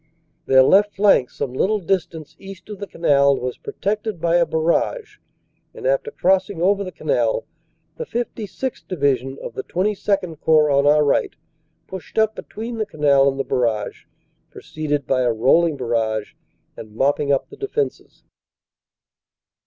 Their left flank some little distance east of the canal was pro tected by a barrage, and, after crossing over the canal, the 56th. Division of the XXII Corps on our right, pushed up between the Canal and the barrage, preceded by a rolling barrage and mopping up the defenses.